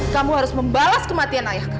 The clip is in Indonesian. kamu harus membalas kematian ayah kamu